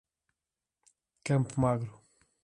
Campo Magro